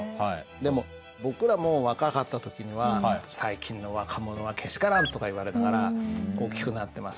でも僕らも若かった時には「最近の若者はけしからん」とか言われながら大きくなってますから。